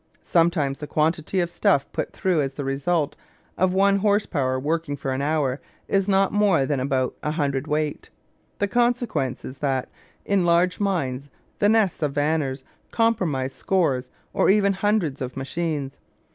Sometimes the quantity of stuff put through as the result of one horse power working for an hour is not more than about a hundredweight. The consequence is that in large mines the nests of vanners comprise scores or even hundreds of machines.